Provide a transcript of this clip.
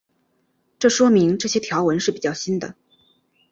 这说明这些条纹是比较新的。